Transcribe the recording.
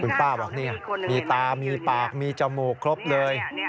คุณป้าบอกนี่มีตามีปากมีจมูกครบเลย